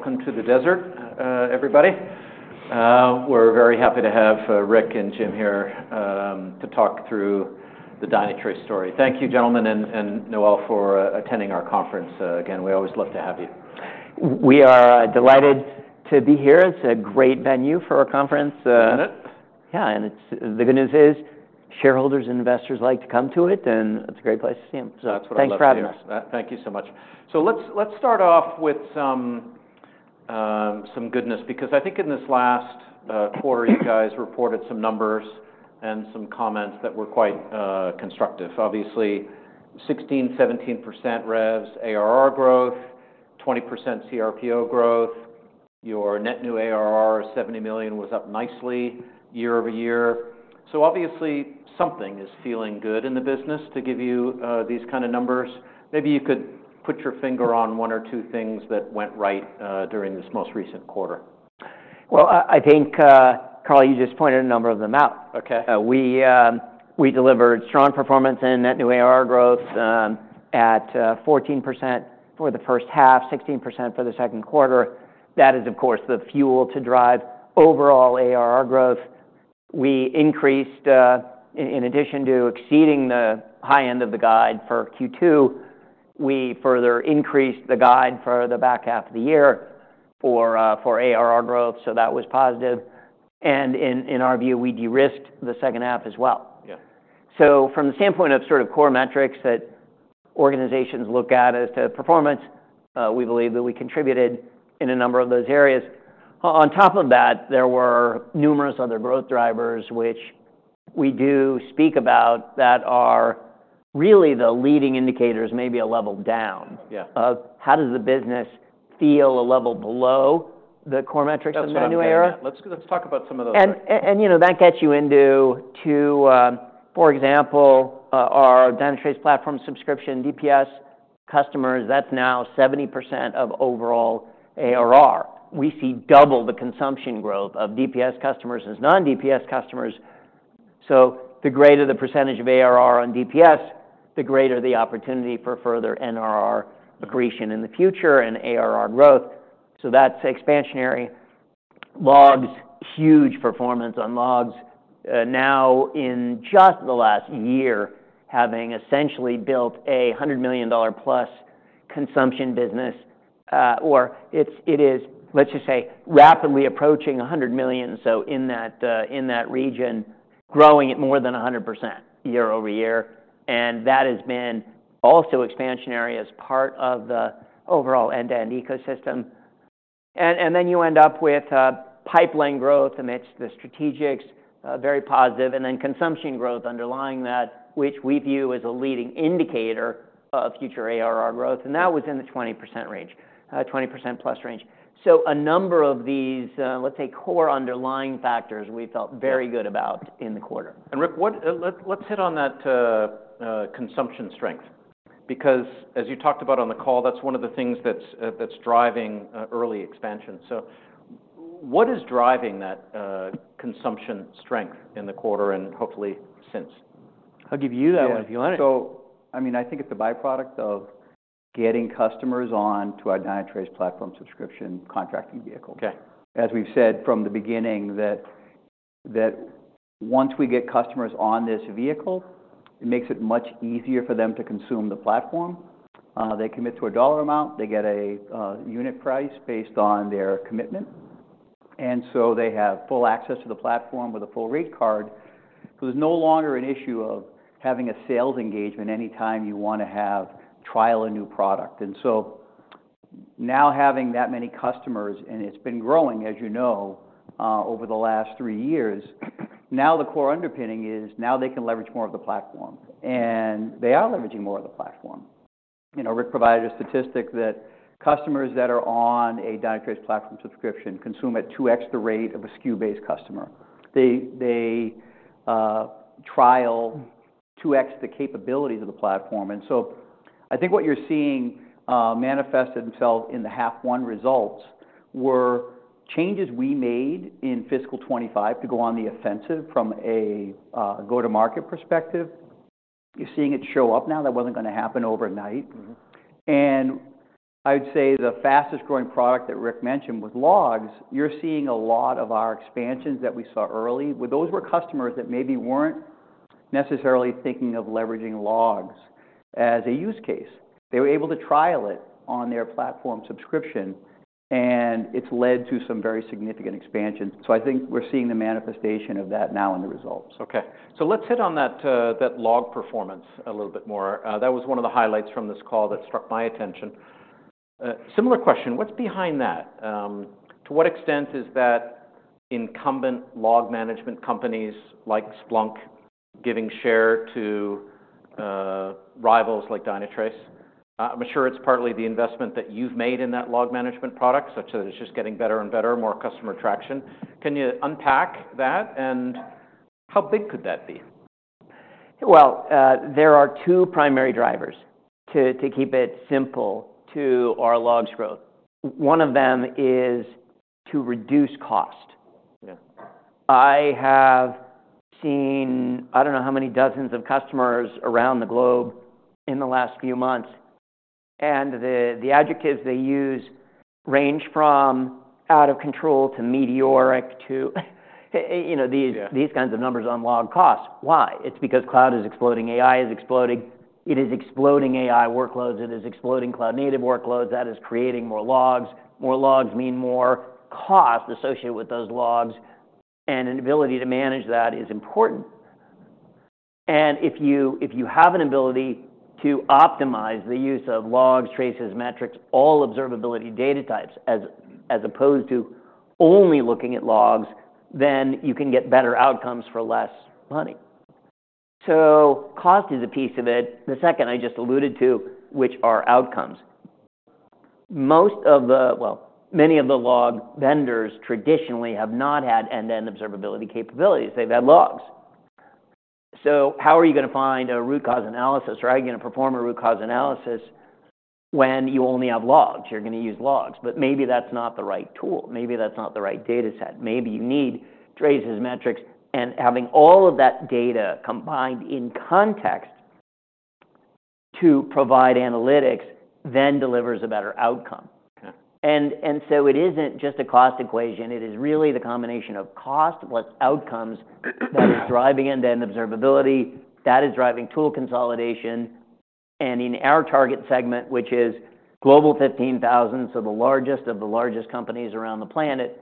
Welcome to the desert, everybody. We're very happy to have Rick and Jim here to talk through the Dynatrace story. Thank you, gentlemen, and Noelle, for attending our conference again. We always love to have you. We are delighted to be here. It's a great venue for our conference. Isn't it? Yeah, and it's the good news is shareholders and investors like to come to it, and it's a great place to see them. So that's what I'd like to do. Thanks for having us. Thank you so much. So let's start off with some goodness because I think in this last quarter you guys reported some numbers and some comments that were quite constructive. Obviously, 16%-17% revs ARR growth, 20% CRPO growth. Your net new ARR of $70 million was up nicely year-over-year. So obviously something is feeling good in the business to give you these kind of numbers. Maybe you could put your finger on one or two things that went right during this most recent quarter. I think, Karl, you just pointed a number of them out. Okay. We delivered strong performance and net new ARR growth at 14% for the first half, 16% for the second quarter. That is, of course, the fuel to drive overall ARR growth. We increased, in addition to exceeding the high end of the guide for Q2, we further increased the guide for the back half of the year for ARR growth. So that was positive, and in our view, we de-risked the second half as well. Yeah. So from the standpoint of sort of core metrics that organizations look at as to performance, we believe that we contributed in a number of those areas. On top of that, there were numerous other growth drivers which we do speak about that are really the leading indicators, maybe a level down. Yeah. How does the business feel a level below the core metrics of the new ARR? Let's talk about some of those. You know, that gets you into too, for example, our Dynatrace Platform Subscription DPS customers. That's now 70% of overall ARR. We see double the consumption growth of DPS customers as non-DPS customers. So the greater the percentage of ARR on DPS, the greater the opportunity for further NRR accretion in the future and ARR growth. So that's expansionary. Logs, huge performance on logs. Now in just the last year, having essentially built a $100+ million consumption business, or it is, let's just say, rapidly approaching $100 million. So in that region, growing at more than 100% year-over-year. And that has been also expansionary as part of the overall end-to-end ecosystem. And then you end up with pipeline growth amidst the strategics, very positive, and then consumption growth underlying that, which we view as a leading indicator of future ARR growth. And that was in the 20% range, 20%+ range. So a number of these, let's say core underlying factors we felt very good about in the quarter. Rick, let's hit on that consumption strength because as you talked about on the call, that's one of the things that's driving early expansion. So what is driving that consumption strength in the quarter and hopefully since? I'll give you that one if you want it. Yeah. So, I mean, I think it's a byproduct of getting customers onto our Dynatrace Platform Subscription contracting vehicle. Okay. As we've said from the beginning, that once we get customers on this vehicle, it makes it much easier for them to consume the platform. They commit to a dollar amount. They get a unit price based on their commitment. And so they have full access to the platform with a full rate card. So there's no longer an issue of having a sales engagement anytime you want to trial a new product. And so now having that many customers, and it's been growing, as you know, over the last three years, now the core underpinning is now they can leverage more of the platform. And they are leveraging more of the platform. You know, Rick provided a statistic that customers that are on a Dynatrace Platform Subscription consume at 2X the rate of a SKU-based customer. They trial 2X the capabilities of the platform. And so, I think what you're seeing manifested itself in the half one results were changes we made in fiscal 2025 to go on the offensive from a go-to-market perspective. You're seeing it show up now. That wasn't going to happen overnight. And I would say the fastest growing product that Rick mentioned was logs. You're seeing a lot of our expansions that we saw early with those were customers that maybe weren't necessarily thinking of leveraging logs as a use case. They were able to trial it on their platform subscription, and it's led to some very significant expansion. So I think we're seeing the manifestation of that now in the results. Okay. So let's hit on that, that log performance a little bit more. That was one of the highlights from this call that struck my attention. Similar question, what's behind that? To what extent is that incumbent log management companies like Splunk giving share to rivals like Dynatrace? I'm sure it's partly the investment that you've made in that log management product such that it's just getting better and better, more customer traction. Can you unpack that and how big could that be? There are two primary drivers, to keep it simple, to our logs growth. One of them is to reduce cost. Yeah. I have seen I don't know how many dozens of customers around the globe in the last few months, and the adjectives they use range from out of control to meteoric to, you know, these. Yeah. These kinds of numbers on log cost. Why? It's because cloud is exploding. AI is exploding. It is exploding AI workloads. It is exploding cloud-native workloads that is creating more logs. More logs mean more cost associated with those logs, and an ability to manage that is important. And if you, if you have an ability to optimize the use of logs, traces, metrics, all observability data types as, as opposed to only looking at logs, then you can get better outcomes for less money, so cost is a piece of it. The second I just alluded to, which are outcomes. Most of the, well, many of the log vendors traditionally have not had end-to-end observability capabilities. They've had logs, so how are you going to find a root cause analysis? Or are you going to perform a root cause analysis when you only have logs? You're going to use logs. But maybe that's not the right tool. Maybe that's not the right data set. Maybe you need traces, metrics, and having all of that data combined in context to provide analytics, then delivers a better outcome. Yeah. So it isn't just a cost equation. It is really the combination of cost plus outcomes that is driving end-to-end observability, that is driving tool consolidation. In our target segment, which is Global 15,000, so the largest of the largest companies around the planet,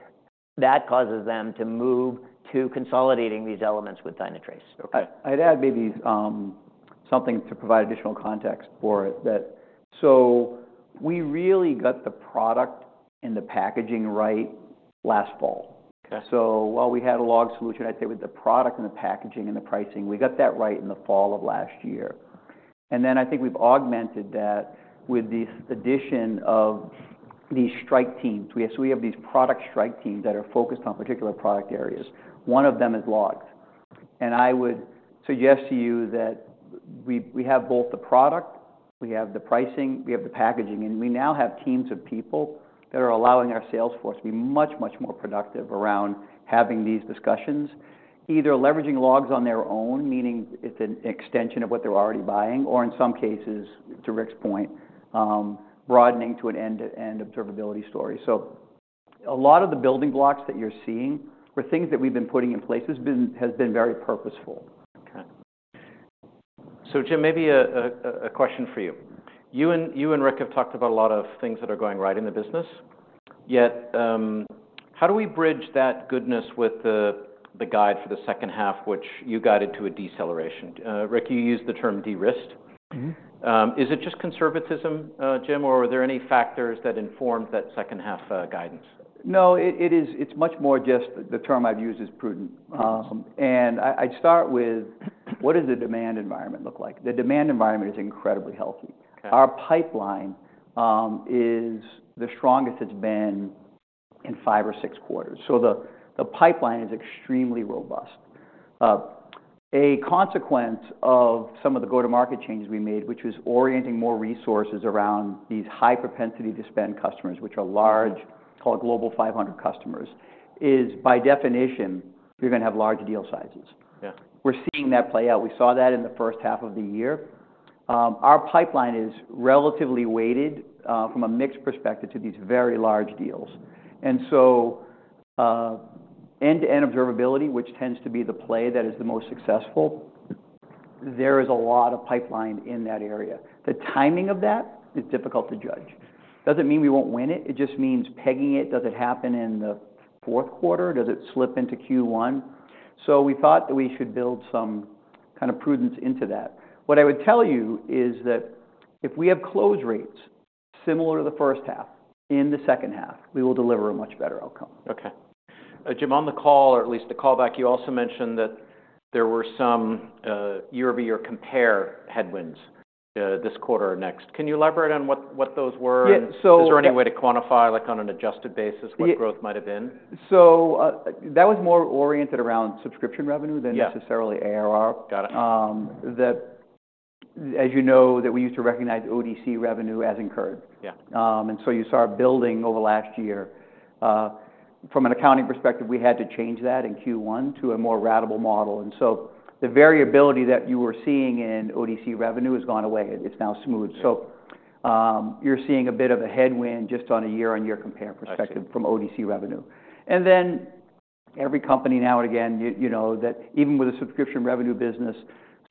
that causes them to move to consolidating these elements with Dynatrace. Okay. I'd add maybe something to provide additional context for it. So we really got the product and the packaging right last fall. Okay. While we had a log solution, I'd say with the product and the packaging and the pricing, we got that right in the fall of last year. Then I think we've augmented that with this addition of these strike teams. We have these product strike teams that are focused on particular product areas. One of them is logs. I would suggest to you that we have both the product, we have the pricing, we have the packaging, and we now have teams of people that are allowing our salesforce to be much, much more productive around having these discussions, either leveraging logs on their own, meaning it's an extension of what they're already buying, or in some cases, to Rick's point, broadening to an end-to-end observability story. A lot of the building blocks that you're seeing are things that we've been putting in place has been very purposeful. Okay. So Jim, maybe a question for you. You and Rick have talked about a lot of things that are going right in the business. Yet, how do we bridge that goodness with the guide for the second half, which you guided to a deceleration? Rick, you used the term de-risked. Mm-hmm. Is it just conservatism, Jim, or were there any factors that informed that second half, guidance? No, it is. It's much more. Just the term I've used is prudent. Awesome. And I'd start with what does the demand environment look like? The demand environment is incredibly healthy. Okay. Our pipeline is the strongest it's been in five or six quarters. So the pipeline is extremely robust. A consequence of some of the go-to-market changes we made, which was orienting more resources around these high propensity to spend customers, which are large, call it Global 500 customers, is by definition, you're going to have large deal sizes. Yeah. We're seeing that play out. We saw that in the first half of the year. Our pipeline is relatively weighted, from a mix perspective to these very large deals. And so, end-to-end observability, which tends to be the play that is the most successful, there is a lot of pipeline in that area. The timing of that is difficult to judge. Doesn't mean we won't win it. It just means pegging it. Does it happen in the fourth quarter? Does it slip into Q1? So we thought that we should build some kind of prudence into that. What I would tell you is that if we have close rates similar to the first half, in the second half, we will deliver a much better outcome. Okay. Jim, on the call, or at least the callback, you also mentioned that there were some year-over-year compare headwinds this quarter or next. Can you elaborate on what, what those were? Yeah. So. Is there any way to quantify, like on an adjusted basis, what growth might have been? Yeah. So, that was more oriented around subscription revenue than necessarily ARR. Yeah. Got it. That, as you know, we used to recognize ODC revenue as incurred. Yeah. And so you saw our building over last year. From an accounting perspective, we had to change that in Q1 to a more ratable model. And so the variability that you were seeing in ODC revenue has gone away. It's now smooth. Yeah. You're seeing a bit of a headwind just on a year-on-year compare perspective from ODC revenue. Then every company now and again, you know that even with a subscription revenue business,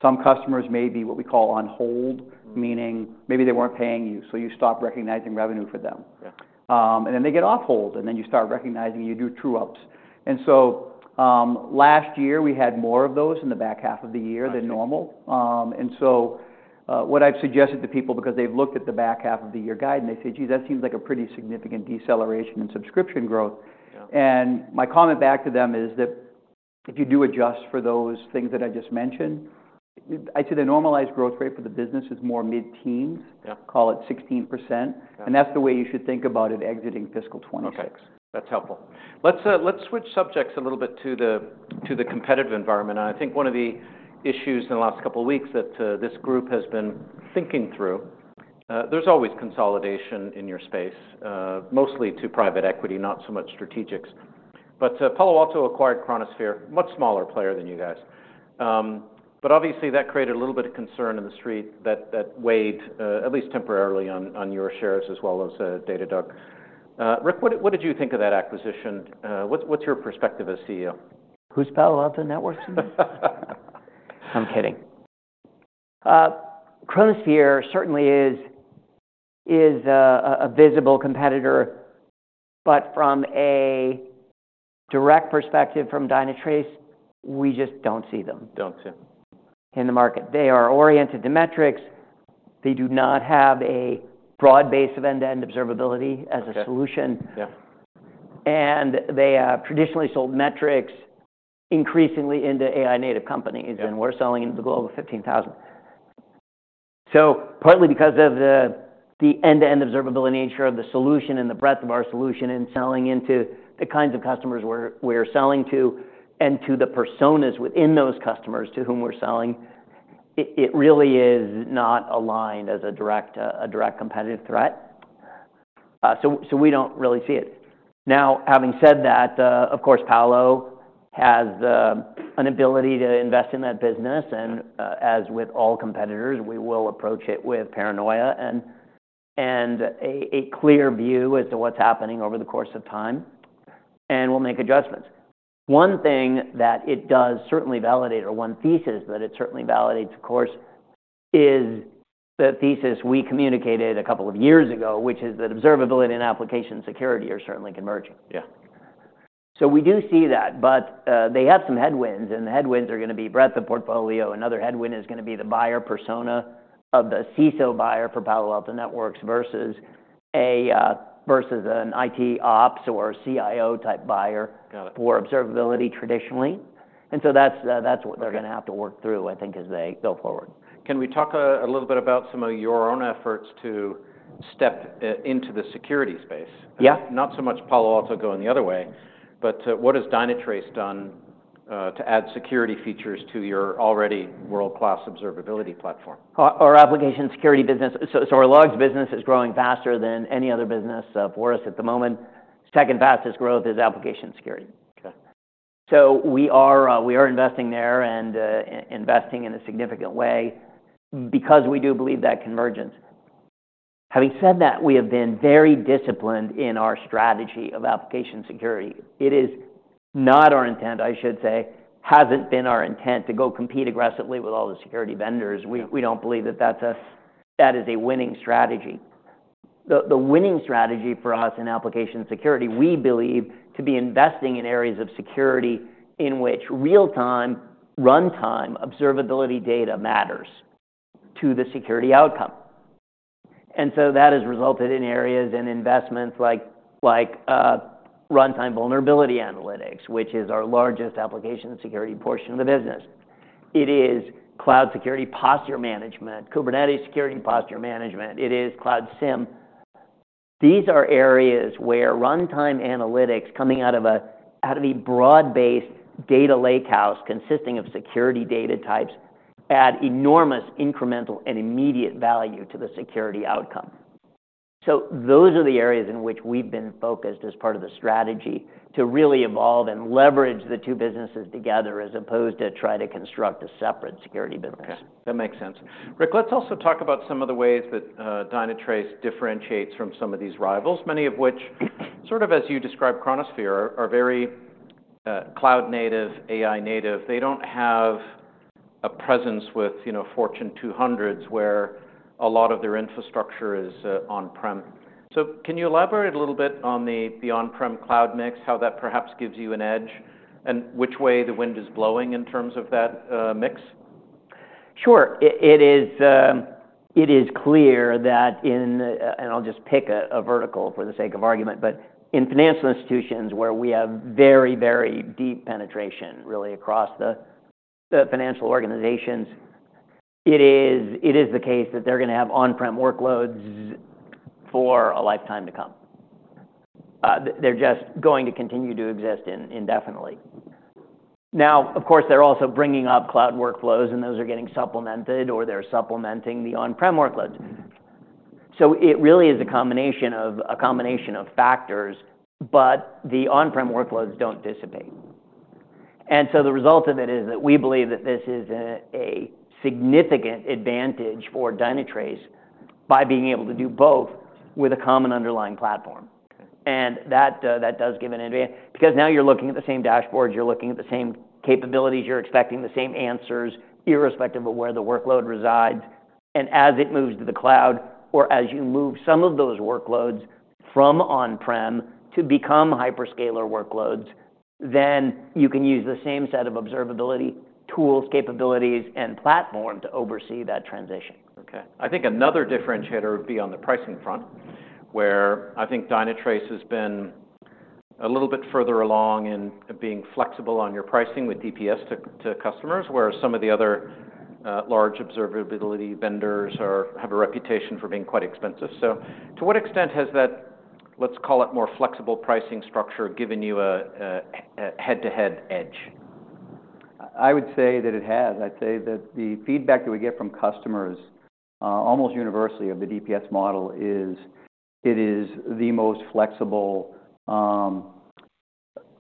some customers may be what we call on hold, meaning maybe they weren't paying you, so you stop recognizing revenue for them. Yeah. And then they get off hold, and then you start recognizing you do true-ups. And so, last year, we had more of those in the back half of the year than normal. Yeah. And so, what I've suggested to people, because they've looked at the back half of the year guide, and they say, "Geez, that seems like a pretty significant deceleration in subscription growth. Yeah. My comment back to them is that if you do adjust for those things that I just mentioned, I'd say the normalized growth rate for the business is more mid-teens. Yeah. Call it 16%. Yeah. That's the way you should think about it exiting fiscal 2026. Okay. That's helpful. Let's, let's switch subjects a little bit to the, to the competitive environment. And I think one of the issues in the last couple of weeks that, this group has been thinking through, there's always consolidation in your space, mostly to private equity, not so much strategics. But Palo Alto acquired Chronosphere, much smaller player than you guys, but obviously that created a little bit of concern in the street that, that weighed, at least temporarily on, on your shares as well as Datadog. Rick, what, what did you think of that acquisition? What's, what's your perspective as CEO? Who's Palo Alto Networks to me? I'm kidding. Chronosphere certainly is a visible competitor, but from a direct perspective from Dynatrace, we just don't see them. Don't see them. In the market. They are oriented to metrics. They do not have a broad base of end-to-end observability as a solution. Yeah. Yeah. They traditionally sold metrics increasingly into AI-native companies. Yeah. And we're selling into the Global 15,000. So partly because of the end-to-end observability nature of the solution and the breadth of our solution and selling into the kinds of customers we're selling to and to the personas within those customers to whom we're selling, it really is not aligned as a direct competitive threat, so we don't really see it. Now, having said that, of course, Palo has an ability to invest in that business. And, as with all competitors, we will approach it with paranoia and a clear view as to what's happening over the course of time, and we'll make adjustments. One thing that it does certainly validate, or one thesis that it certainly validates, of course, is the thesis we communicated a couple of years ago, which is that observability and application security are certainly converging. Yeah. We do see that, but they have some headwinds, and the headwinds are going to be breadth of portfolio. Another headwind is going to be the buyer persona of the CISO buyer for Palo Alto Networks versus an IT ops or CIO-type buyer. Got it. For observability traditionally, and so that's what they're going to have to work through, I think, as they go forward. Can we talk a little bit about some of your own efforts to step into the security space? Yeah. Not so much Palo Alto going the other way, but what has Dynatrace done to add security features to your already world-class observability platform? Our application security business, so our logs business is growing faster than any other business for us at the moment. Second fastest growth is application security. Okay. So we are investing there and investing in a significant way because we do believe that convergence. Having said that, we have been very disciplined in our strategy of application security. It is not our intent, I should say, hasn't been our intent to go compete aggressively with all the security vendors. We don't believe that that's a winning strategy. The winning strategy for us in application security, we believe, to be investing in areas of security in which real-time runtime observability data matters to the security outcome. And so that has resulted in areas and investments like runtime vulnerability analytics, which is our largest application security portion of the business. It is Cloud Security Posture Management, Kubernetes Security Posture Management. It is Cloud SIEM. These are areas where runtime analytics coming out of a broad-based data lakehouse consisting of security data types add enormous incremental and immediate value to the security outcome. So those are the areas in which we've been focused as part of the strategy to really evolve and leverage the two businesses together as opposed to try to construct a separate security business. Okay. That makes sense. Rick, let's also talk about some of the ways that Dynatrace differentiates from some of these rivals, many of which, sort of as you describe, Chronosphere are very cloud-native, AI-native. They don't have a presence with, you know, Fortune 200s where a lot of their infrastructure is on-prem. So can you elaborate a little bit on the on-prem cloud mix, how that perhaps gives you an edge and which way the wind is blowing in terms of that mix? Sure. It is clear that in, and I'll just pick a vertical for the sake of argument, but in financial institutions where we have very, very deep penetration, really, across the financial organizations, it is the case that they're going to have on-prem workloads for a lifetime to come. They're just going to continue to exist indefinitely. Now, of course, they're also bringing up cloud workloads, and those are getting supplemented, or they're supplementing the on-prem workloads. So it really is a combination of, a combination of factors, but the on-prem workloads don't dissipate. And so the result of it is that we believe that this is a significant advantage for Dynatrace by being able to do both with a common underlying platform. Okay. That, that does give an advantage because now you're looking at the same dashboards, you're looking at the same capabilities, you're expecting the same answers irrespective of where the workload resides. As it moves to the cloud, or as you move some of those workloads from on-prem to become hyperscaler workloads, then you can use the same set of observability tools, capabilities, and platform to oversee that transition. Okay. I think another differentiator would be on the pricing front, where I think Dynatrace has been a little bit further along in being flexible on your pricing with DPS to customers, whereas some of the other large observability vendors have a reputation for being quite expensive. So to what extent has that, let's call it more flexible pricing structure, given you a head-to-head edge? I would say that it has. I'd say that the feedback that we get from customers, almost universally of the DPS model is it is the most flexible,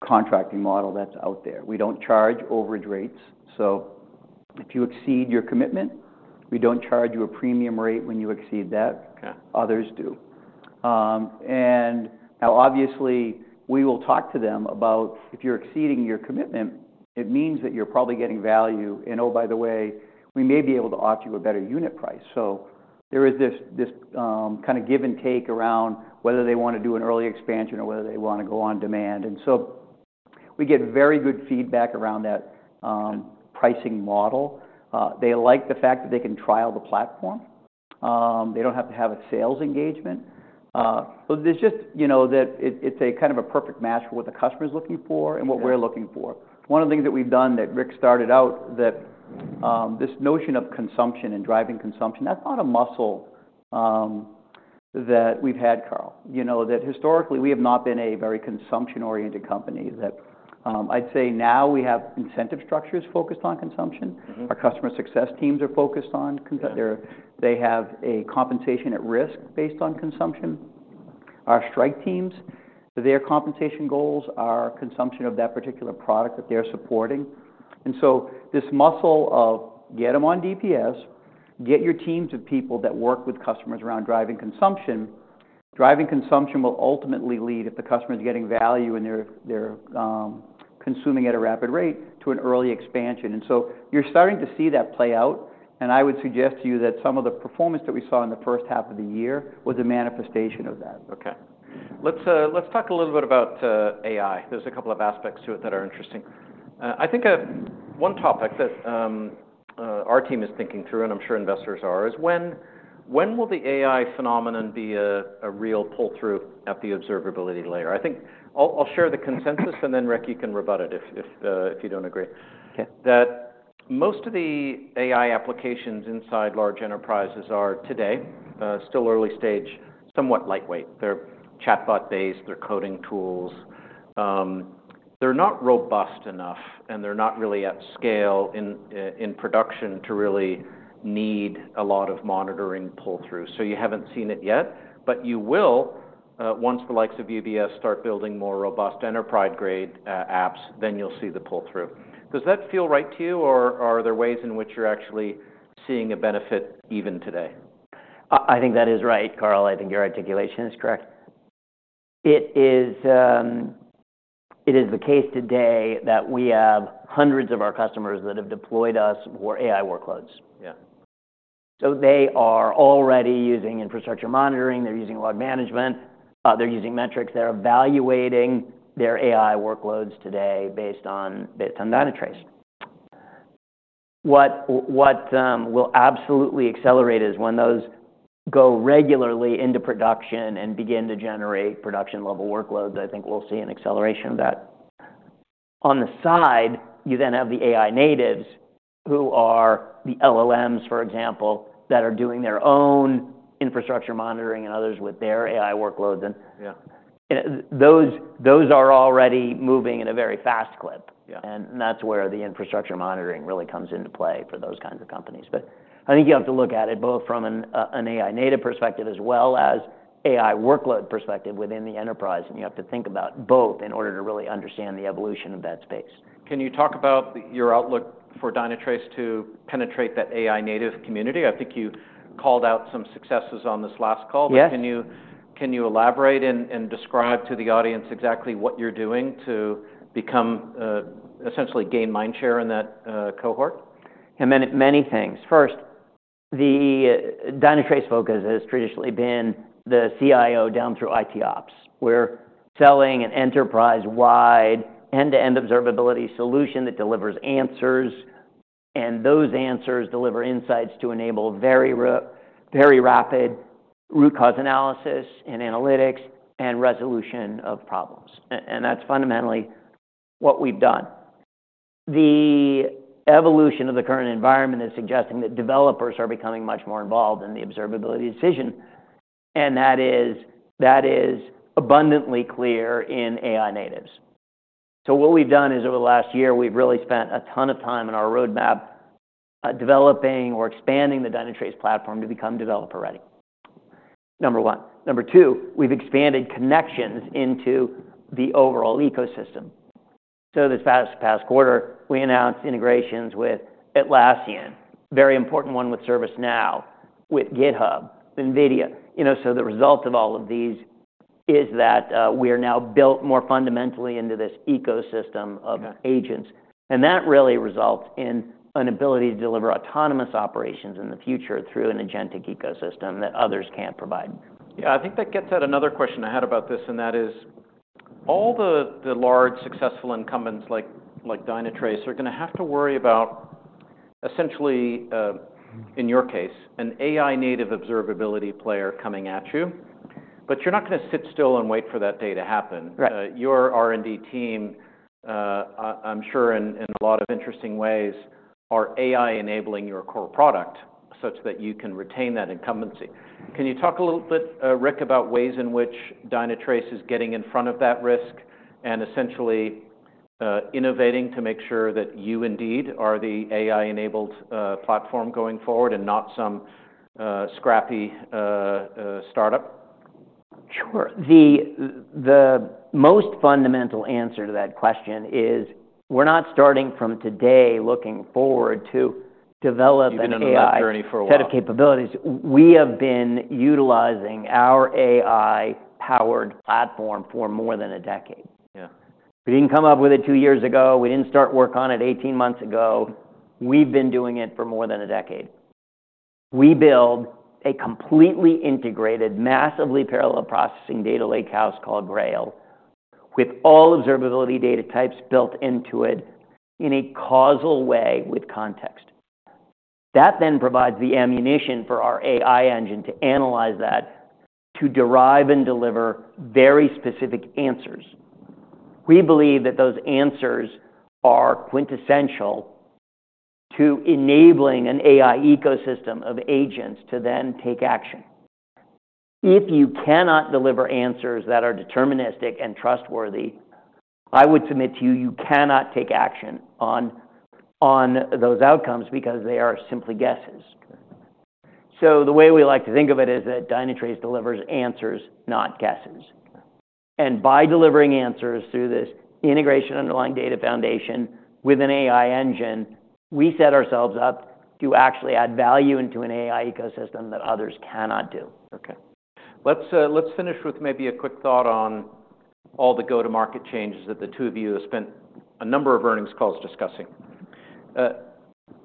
contracting model that's out there. We don't charge overage rates. So if you exceed your commitment, we don't charge you a premium rate when you exceed that. Okay. Others do, and now, obviously, we will talk to them about if you're exceeding your commitment, it means that you're probably getting value. And oh, by the way, we may be able to offer you a better unit price. So there is this kind of give and take around whether they want to do an early expansion or whether they want to go on demand. And so we get very good feedback around that pricing model. They like the fact that they can trial the platform. They don't have to have a sales engagement, so there's just, you know, it's a kind of a perfect match for what the customer's looking for and what we're looking for. One of the things that we've done that Rick started out, that this notion of consumption and driving consumption, that's not a muscle that we've had, Karl. You know, that historically, we have not been a very consumption-oriented company. That, I'd say, now we have incentive structures focused on consumption. Mm-hmm. Our customer success teams are focused on consumption. They're. They have a compensation at risk based on consumption. Our strike teams. Their compensation goals are consumption of that particular product that they're supporting. And so this muscle of get them on DPS, get your teams of people that work with customers around driving consumption, driving consumption will ultimately lead, if the customer's getting value and they're consuming at a rapid rate, to an early expansion. And so you're starting to see that play out. And I would suggest to you that some of the performance that we saw in the first half of the year was a manifestation of that. Okay. Let's talk a little bit about AI. There's a couple of aspects to it that are interesting. I think one topic that our team is thinking through, and I'm sure investors are, is when will the AI phenomenon be a real pull-through at the observability layer? I think I'll share the consensus, and then Rick, you can rebut it if you don't agree. Okay. That most of the AI applications inside large enterprises are today still early stage, somewhat lightweight. They're chatbot-based. They're coding tools. They're not robust enough, and they're not really at scale in production to really need a lot of monitoring pull-through. So you haven't seen it yet, but you will, once the likes of UBS start building more robust enterprise-grade apps, then you'll see the pull-through. Does that feel right to you, or are there ways in which you're actually seeing a benefit even today? I think that is right, Karl. I think your articulation is correct. It is, it is the case today that we have hundreds of our customers that have deployed us for AI workloads. Yeah. So they are already using infrastructure monitoring. They're using log management. They're using metrics. They're evaluating their AI workloads today based on Dynatrace. What will absolutely accelerate is when those go regularly into production and begin to generate production-level workloads. I think we'll see an acceleration of that. On the side, you then have the AI natives who are the LLMs, for example, that are doing their own infrastructure monitoring and others with their AI workloads. And. Yeah. Those are already moving at a very fast clip. Yeah. That's where the infrastructure monitoring really comes into play for those kinds of companies. I think you have to look at it both from an AI-native perspective as well as AI workload perspective within the enterprise. You have to think about both in order to really understand the evolution of that space. Can you talk about your outlook for Dynatrace to penetrate that AI-native community? I think you called out some successes on this last call. Yes. But can you elaborate and describe to the audience exactly what you're doing to become, essentially, gain mind share in that cohort? Yeah, many, many things. First, the Dynatrace focus has traditionally been the CIO down through IT ops. We're selling an enterprise-wide end-to-end observability solution that delivers answers, and those answers deliver insights to enable very, very rapid root cause analysis and analytics and resolution of problems. And that's fundamentally what we've done. The evolution of the current environment is suggesting that developers are becoming much more involved in the observability decision, and that is, that is abundantly clear in AI natives. So what we've done is over the last year, we've really spent a ton of time in our roadmap, developing or expanding the Dynatrace platform to become developer-ready, number one. Number two, we've expanded connections into the overall ecosystem. So this past, past quarter, we announced integrations with Atlassian, a very important one with ServiceNow, with GitHub, NVIDIA. You know, so the result of all of these is that we are now built more fundamentally into this ecosystem of agents, and that really results in an ability to deliver autonomous operations in the future through an agentic ecosystem that others can't provide. Yeah. I think that gets at another question I had about this, and that is all the large successful incumbents like Dynatrace are going to have to worry about essentially, in your case, an AI-native observability player coming at you, but you're not going to sit still and wait for that day to happen. Right. Your R&D team, I'm sure in a lot of interesting ways are AI-enabling your core product such that you can retain that incumbency. Can you talk a little bit, Rick, about ways in which Dynatrace is getting in front of that risk and essentially innovating to make sure that you indeed are the AI-enabled platform going forward and not some scrappy startup? Sure. The most fundamental answer to that question is we're not starting from today looking forward to developing AI. You've been on that journey for a while. Set of capabilities. We have been utilizing our AI-powered platform for more than a decade. Yeah. We didn't come up with it two years ago. We didn't start work on it 18 months ago. We've been doing it for more than a decade. We build a completely integrated, massively parallel processing data lakehouse called Grail with all observability data types built into it in a causal way with context. That then provides the ammunition for our AI engine to analyze that, to derive and deliver very specific answers. We believe that those answers are quintessential to enabling an AI ecosystem of agents to then take action. If you cannot deliver answers that are deterministic and trustworthy, I would submit to you, you cannot take action on those outcomes because they are simply guesses. So the way we like to think of it is that Dynatrace delivers answers, not guesses. And by delivering answers through this integration underlying data foundation with an AI engine, we set ourselves up to actually add value into an AI ecosystem that others cannot do. Okay. Let's finish with maybe a quick thought on all the go-to-market changes that the two of you have spent a number of earnings calls discussing.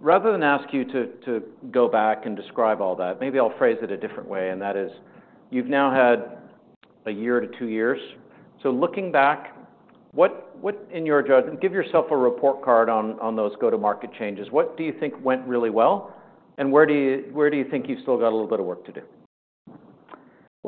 Rather than ask you to go back and describe all that, maybe I'll phrase it a different way, and that is you've now had a year to two years. So looking back, what in your judgment, give yourself a report card on those go-to-market changes. What do you think went really well, and where do you think you've still got a little bit of work to do?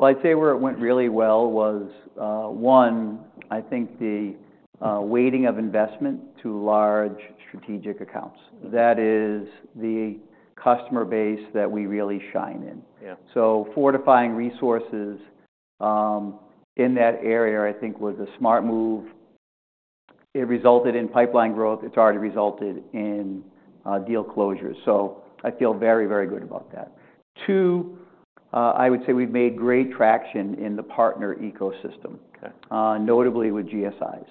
I'd say where it went really well was, one, I think the weighting of investment to large strategic accounts. That is the customer base that we really shine in. Yeah. Fortifying resources, in that area, I think, was a smart move. It resulted in pipeline growth. It's already resulted in deal closures. I feel very, very good about that. Two, I would say we've made great traction in the partner ecosystem. Okay. notably with GSIs.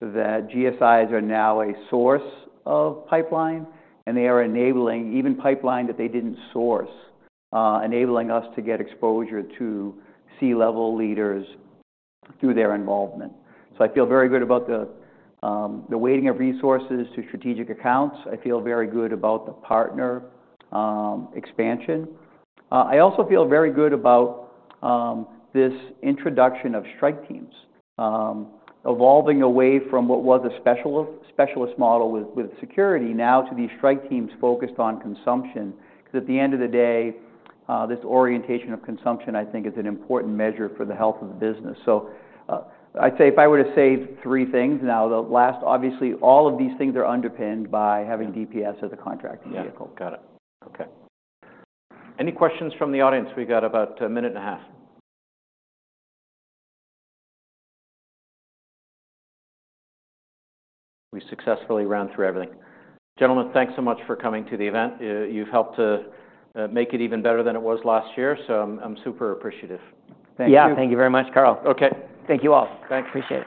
The GSIs are now a source of pipeline, and they are enabling even pipeline that they didn't source, enabling us to get exposure to C-level leaders through their involvement. So I feel very good about the weighting of resources to strategic accounts. I feel very good about the partner expansion. I also feel very good about this introduction of strike teams, evolving away from what was a specialist model with security now to these strike teams focused on consumption. Because at the end of the day, this orientation of consumption, I think, is an important measure for the health of the business. So, I'd say if I were to say three things now, the last, obviously, all of these things are underpinned by having DPS as a contracting vehicle. Yeah. Got it. Okay. Any questions from the audience? We got about a minute and a half. We successfully ran through everything. Gentlemen, thanks so much for coming to the event. You've helped to make it even better than it was last year, so I'm super appreciative. Thank you. Yeah. Thank you very much, Karl. Okay. Thank you all. Thanks. Appreciate it.